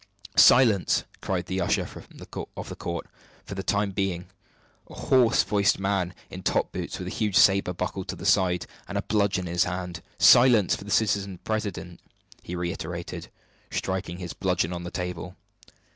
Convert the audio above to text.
"Silence!" cried the usher of the court for the time being a hoarse voiced man in top boots with a huge saber buckled to his side, and a bludgeon in his hand. "Silence for the Citizen President!" he reiterated, striking his bludgeon on the table.